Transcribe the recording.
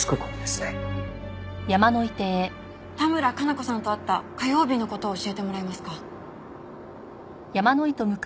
多村加奈子さんと会った火曜日の事を教えてもらえますか？